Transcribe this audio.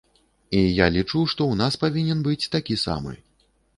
І я лічу, што ў нас павінен быць такі самы.